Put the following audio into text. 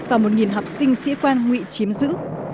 và một nghìn học sinh sĩ quan hụy chiếm giữ